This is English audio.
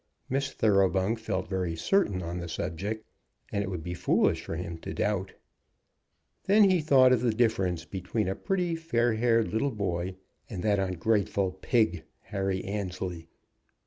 Miss Thoroughbung felt very certain on the subject, and it would be foolish for him to doubt. Then he thought of the difference between a pretty fair haired little boy and that ungrateful pig, Harry Annesley.